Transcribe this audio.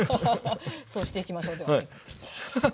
そうしていきましょうでは。